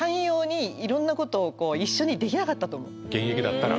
現役だったら？